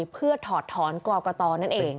เพื่อถอดถอนกรกตนั่นเอง